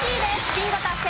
ビンゴ達成。